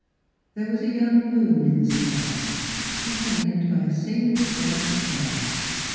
There was a young moon in the sky, companioned by a single bright star.